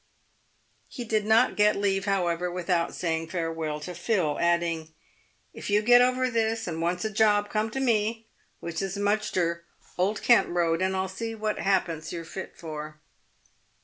He did not leave, however, without saying farewell to Phil, adding, " If you get over this, and wants a job, come to me, which is Mudgster, Old Kent road, and I'll see what ha'pence you're fit for."